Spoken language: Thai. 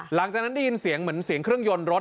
หลังจากนั้นได้ยินเสียงเครื่องยนต์รถ